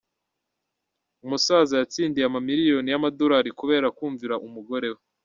Umusaza yatsindiye amamiliyoni y’ amadorali kubera kumvira umugore we.